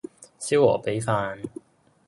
燒鵝髀飯